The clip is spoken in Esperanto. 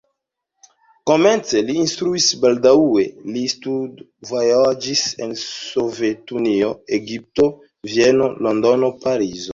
Komence li instruis, baldaŭe li studvojaĝis en Sovetunio, Egipto, Vieno, Londono, Parizo.